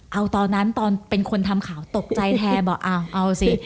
เอาตอนนั้นตอนเป็นคนทำข่าวตกใจแทนบอกเอาสิ